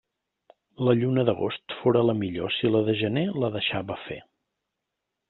La lluna d'agost fóra la millor si la de gener la deixava fer.